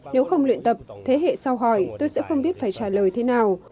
nếu không luyện tập thế hệ sau hỏi tôi sẽ không biết phải trả lời thế nào